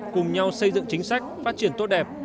cùng nhau xây dựng chính sách phát triển tốt đẹp